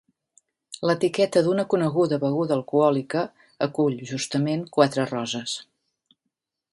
L'etiqueta d'una coneguda beguda alcohòlica acull, justament, quatre roses.